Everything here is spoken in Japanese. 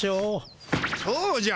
そうじゃ。